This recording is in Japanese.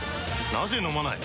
なぜ飲まない？